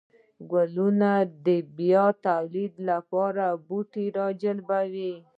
گلونه د بيا توليد لپاره بوټي راجلبوي